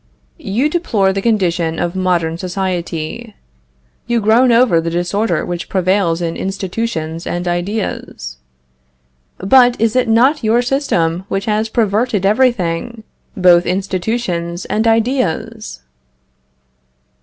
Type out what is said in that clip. You deplore the condition of modern society. You groan over the disorder which prevails in institutions and ideas. But is it not your system which has perverted everything, both institutions and ideas?